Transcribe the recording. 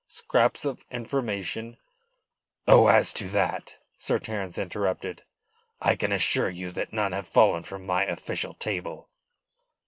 Scraps of information " "Oh, as to that," Sir Terence interrupted, "I can assure you that none have fallen from my official table."